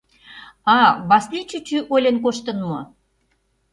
А-а, Васли чӱчӱ ойлен коштын мо?